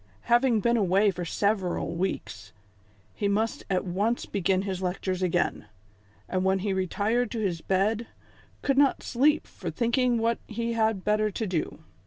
Having been away for several weeks, he must at once begin his lectures again ; and when he retired to his bed, could not sleep for thinking what he had better do.